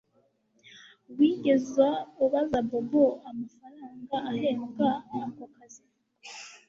Wigeze ubaza Bobo amafaranga ahembwa ako kazi